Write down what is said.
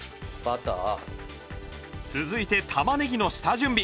続いて玉ねぎの下準備